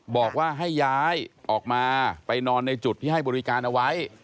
บอกว่าให้ย้ายออกมาไปนอนในจุดที่ให้บริการเอาไว้